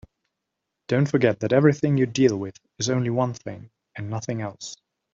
Don't forget that everything you deal with is only one thing and nothing else.